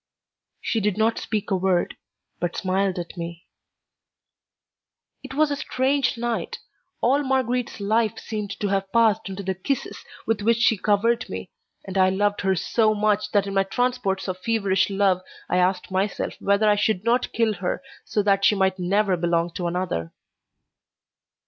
She did not speak a word, but smiled at me. It was a strange night. All Marguerite's life seemed to have passed into the kisses with which she covered me, and I loved her so much that in my transports of feverish love I asked myself whether I should not kill her, so that she might never belong to another.